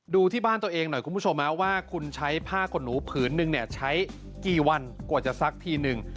ดูที่บ้านตัวเองหน่อยคุณผู้ชมว่าคุณใช้ผ้าขนหนูผืนนึงเนี่ยใช้กี่วันกว่าจะซักทีนึง